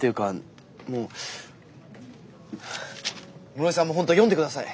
室井さんもほんと読んでください。